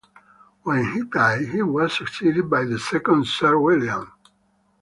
When he died he was succeeded by the second Sir William.